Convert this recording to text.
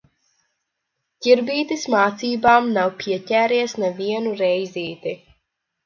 Ķirbītis mācībām nav pieķēries nevienu reizīti.